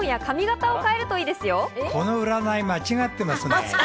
この占い間違ってますね。